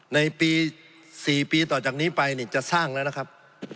ในปี๔ปีต่อจากนี้ไปจะสร้างแล้วนะครับ